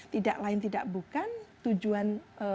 tidak lain tidak bukan tujuan